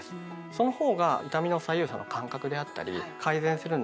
そのほうが痛みの左右差の感覚であったり改善するのにね